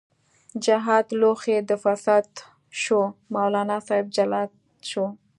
جهاد لوښۍ د فساد شو، مولانا صاحب جلاد شو